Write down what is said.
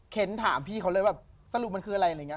เข็นถามพี่เขาเลยแบบสรุปมันคืออะไร